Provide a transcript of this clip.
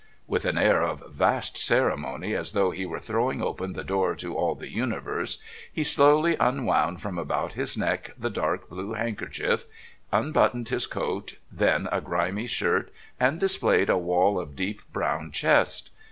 With an air of vast ceremony, as though he were throwing open the door to all the universe, he slowly unwound from about his neck the dark blue handkerchief, unbuttoned his coat, then a grimy shirt and displayed a wall of deep brown chest.